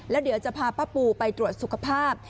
แล้วเดี๋ยวจะพาป้าปูไปตรวจสุขภาพ